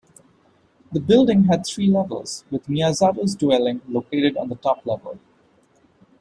The building had three levels, with Miyazato's dwelling located on the top level.